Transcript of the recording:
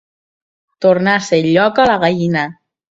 Tornar-se lloca la gallina.